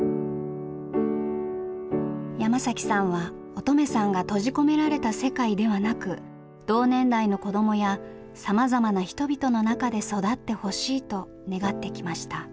山さんは音十愛さんが閉じ込められた世界ではなく同年代の子どもやさまざまな人々の中で育ってほしいと願ってきました。